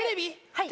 はい。